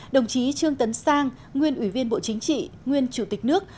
đồng chí trương tấn sang nguyên ủy viên bộ chính trị nguyên chủ tịch nước